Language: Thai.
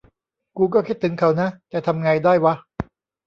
กูก็คิดถึงเขานะ แต่ทำไงได้วะ